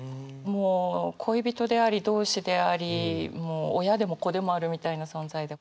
もう恋人であり同志でありもう親でも子でもあるみたいな存在で。